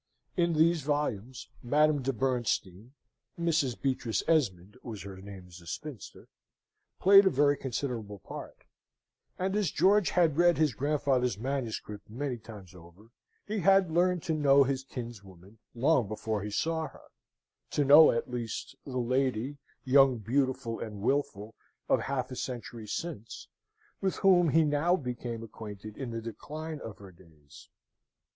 In these volumes, Madame de Bernstein (Mrs. Beatrice Esmond was her name as a spinster) played a very considerable part; and as George had read his grandfather's manuscript many times over, he had learned to know his kinswoman long before he saw her, to know, at least, the lady, young, beautiful, and wilful, of half a century since, with whom he now became acquainted in the decline of her days.